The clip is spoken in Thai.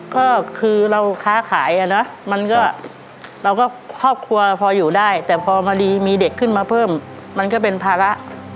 ก็คือเราค้าขายอ่ะเนอะมันก็เราก็ครอบครัวพออยู่ได้แต่พอดีมีเด็กขึ้นมาเพิ่มมันก็เป็นภาระ